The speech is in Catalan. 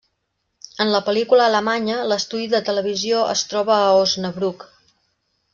En la pel·lícula alemanya, l'estudi de televisió es troba a Osnabrück.